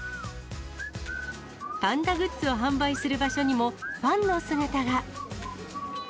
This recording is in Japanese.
パンダグッズを販売する場所にも、ファンの姿が。